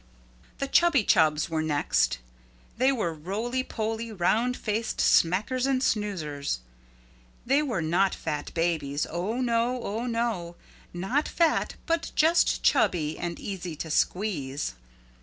The Chubby Chubs were next. They were roly poly, round faced smackers and snoozers. They were not fat babies oh no, oh no not fat but just chubby and easy to squeeze.